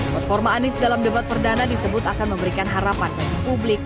performa anies dalam debat perdana disebut akan memberikan harapan bagi publik